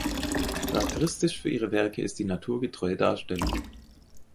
Charakteristisch für ihre Werke ist die naturgetreue Darstellung.